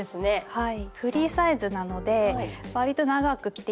はい。